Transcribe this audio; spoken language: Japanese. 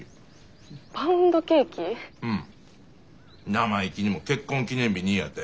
生意気にも結婚記念日にやて。